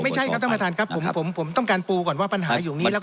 ไม่ใช่ครับท่านประธานครับผมผมต้องการปูก่อนว่าปัญหาอยู่ตรงนี้แล้ว